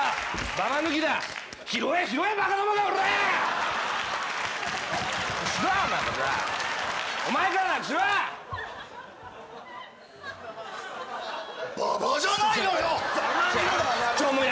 ババじゃないのよ！